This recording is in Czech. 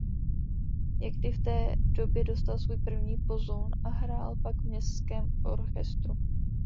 Někdy v té době dostal svůj první pozoun a hrál pak v městském orchestru.